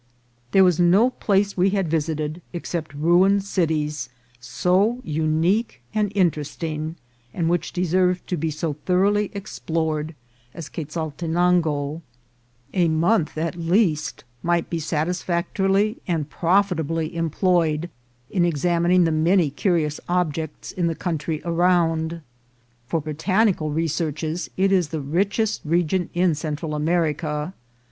There was no place we had visited, except ruined cities, so unique and interesting, and which deserved to be so thoroughly explored, as Quezaltenango. A month, 220 INCIDENTS OF TRAVEL. at least, might be satisfactorily and profitably employed in examining the many curious objects in the country around. For botanical researches it is the richest re gion in Central America.